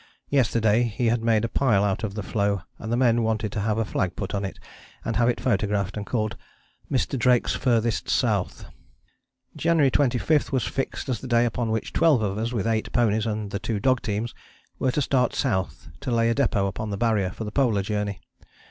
Yesterday he had made a pile out on the floe, and the men wanted to have a flag put on it, and have it photographed, and called 'Mr. Drake's Furthest South.'" January 25 was fixed as the day upon which twelve of us, with eight ponies and the two dog teams, were to start south to lay a depôt upon the Barrier for the Polar Journey.